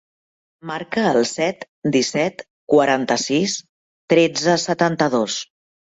Marca el set, disset, quaranta-sis, tretze, setanta-dos.